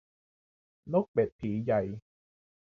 นกเป็ดผีใหญ่